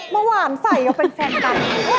เมื่อหวานใสก็เป็นแฟนกัน